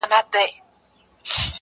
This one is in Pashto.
دا غمى اوس له بــازاره دى لوېـدلى.